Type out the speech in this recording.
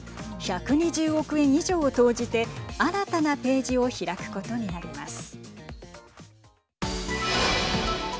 １２０億円以上を投じて新たなページを開くことになります。